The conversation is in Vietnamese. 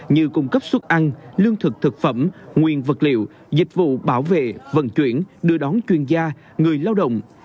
như cung cấp xuất ăn lương thực thực phẩm nguyên vật liệu dịch vụ bảo vệ vận chuyển đưa đón chuyên gia người lao động